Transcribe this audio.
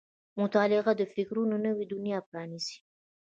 • مطالعه د فکرونو نوې دنیا پرانیزي.